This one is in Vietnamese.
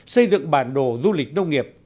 xây dựng bản đồ du lịch nông nghiệp